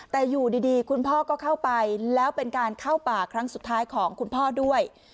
แต่อยู่ดีคุณพ่อก็เข้าไปแล้วเป็นการเข้าป่าครั้งสุดท้ายของคุณพ่อด้วย